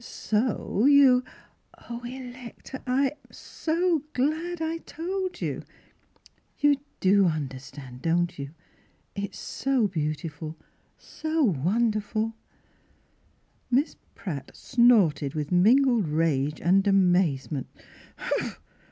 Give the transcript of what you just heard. So you —"" Oh, Electa, I'm so glad I told you ! You do understand; don't you' It's so beautiful — so wonderful." Miss Pratt snorted with mingled rage and amazement.